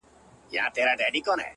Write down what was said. • پسرلي به وي شیندلي سره ګلونه,